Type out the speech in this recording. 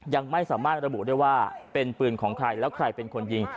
ยังไม่สามารถระบุได้ว่าเป็นปืนของใครแล้วใครเป็นคนยิง